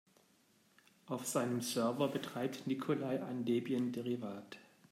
Auf seinem Server betreibt Nikolai ein Debian-Derivat.